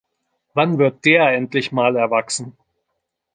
Wann wird der endlich mal erwachsen?